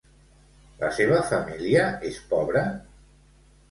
La seva família és pobra?